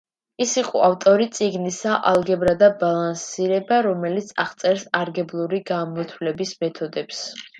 ის იყო ავტორი წიგნისა „ალგებრა და ბალანსირება“, რომელიც აღწერს ალგებრული გამოთვლების მეთოდებს.